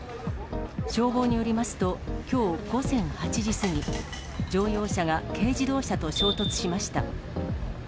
消防によりますと、きょう午前８時過ぎ、乗用車が軽自動車と衝突しました。